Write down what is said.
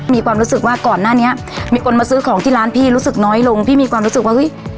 มีความรู้สึกว่าก่อนหน้านี้มีคนมาซื้อของที่ร้านพี่รู้สึกน้อยลงพี่มีความรู้สึกว่าเฮ้ย